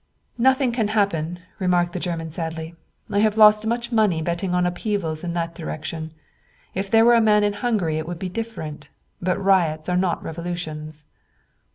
"Nothing can happen," remarked the German sadly. "I have lost much money betting on upheavals in that direction. If there were a man in Hungary it would be different; but riots are not revolutions."